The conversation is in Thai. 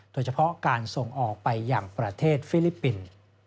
โดยเฉพาะการส่งออกไปอย่างประเทศฟิลิปปินส์